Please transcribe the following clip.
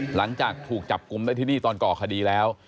หลังจากถูกจับกลุ่มได้ที่นี่ตอนก่อคดีแล้ว